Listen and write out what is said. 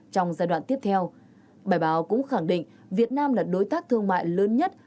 trong giai đoạn tiếp theo bài báo cũng khẳng định việt nam là đối tác thương mại lớn nhất